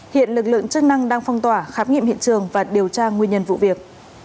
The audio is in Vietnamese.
hiện lực lượng chức năng đang phong tỏa khám nghiệm hiện trường và điều tra nguyên nhân vụ việc